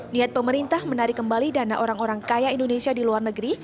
niat pemerintah menarik kembali dana orang orang kaya indonesia di luar negeri